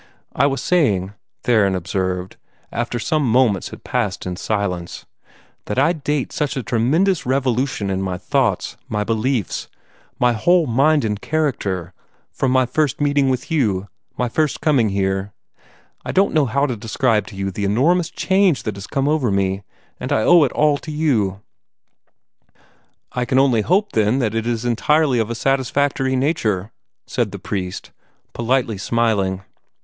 "I was saying," Theron observed, after some moments had passed in silence, "that I date such a tremendous revolution in my thoughts, my beliefs, my whole mind and character, from my first meeting with you, my first coming here. I don't know how to describe to you the enormous change that has come over me; and I owe it all to you." "I can only hope, then, that it is entirely of a satisfactory nature," said the priest, politely smiling.